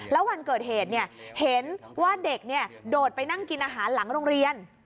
แล้ววันเกิดเหตุเห็นว่าเด็กโดดไปนั่งกินอาหารหลังโรงเรียน